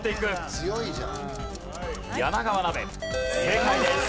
正解です。